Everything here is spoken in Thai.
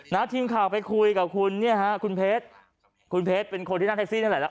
ทีมข่าวไปคุยกับคุณเนี่ยฮะคุณเพชรคุณเพชรเป็นคนที่นั่งแท็กซี่นั่นแหละ